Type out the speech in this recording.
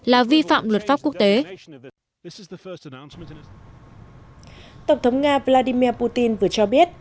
là vi phạm luật pháp quốc tế tổng thống nga vladimir putin vừa cho biết